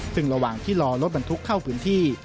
ซึ่งระหว่างที่รอรถบรรทุกเข้าพื้นที่